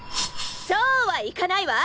そうはいかないわ！